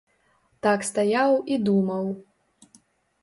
Так стаяў і думаў.